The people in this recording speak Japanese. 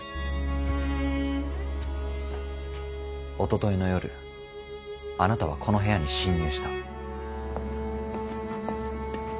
おとといの夜あなたはこの部屋に侵入した。